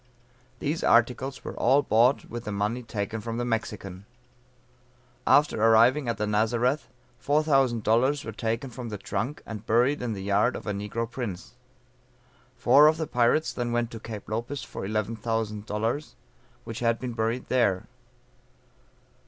These articles were all bought with the money taken from the Mexican. After arriving at the Nazareth, $4000 were taken from the trunk, and buried in the yard of a negro prince. Four of the pirates then went to Cape Lopez for $11,000, which had been buried there.